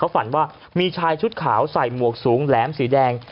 ฝันว่ามีชายชุดขาวใส่หมวกสูงแหลมสีแดง